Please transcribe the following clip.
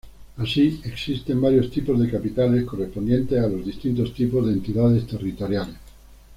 Así existen varios tipos de capitales, correspondientes a los distintos tipos de entidades territoriales.